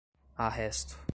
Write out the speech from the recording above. arresto